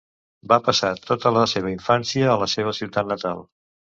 Va passar tota la seva infància a la seva ciutat natal.